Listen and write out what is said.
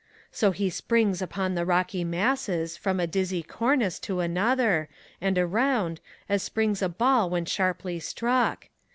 So he springs upon the rocky masses, from a dizzy cornice To another, and around, as springs a ball when sharply struck.